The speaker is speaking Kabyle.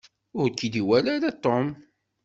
Ur k-id-iwala ara Tom.